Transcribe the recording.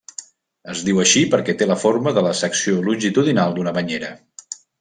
Es diu així perquè té la forma de la secció longitudinal d'una banyera.